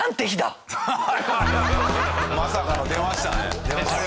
まさかの出ましたね。